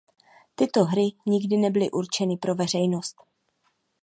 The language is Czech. Tyto hry nikdy nebyly určeny pro veřejnost.